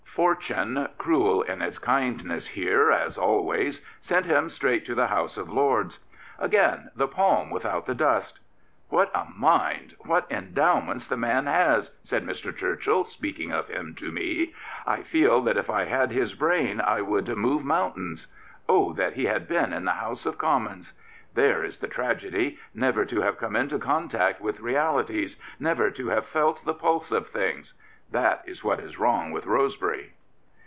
Fortune, cruel in its kindness here as always, sent him straight to the House of Lords. Again, the palm without the dust. " What a mind, what endowments the man has I said Mr. Churchill, speaking of him to me. " I feel that if I had his brain I would move moun tains. Oh, that he had been in the House of Commons I There is the tragedy. Never to have come into contact with realities, never to have felt the pulse of things — that is what is wrong with Rosebery."